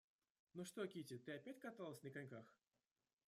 Ну что, Кити, ты опять каталась на коньках?..